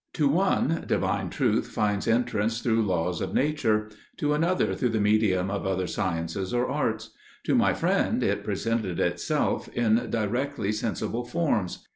To one Divine Truth finds entrance through laws of nature, to another through the medium of other sciences or arts; to my friend it presented itself in directly sensible forms.